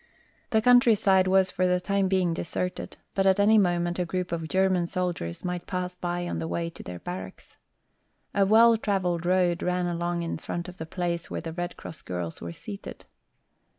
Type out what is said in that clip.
The countryside was for the time being deserted, but at any moment a group of German soldiers might pass by on the way to their barracks. A well traveled road ran along in front of the place where the Red Cross girls were seated.